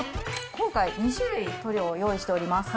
今回、２種類塗料を用意しております。